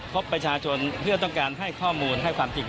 พวกประชาชนผู้จงรับพอดี